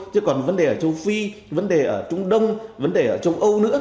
chứ còn vấn đề ở châu phi vấn đề ở trung đông vấn đề ở châu âu nữa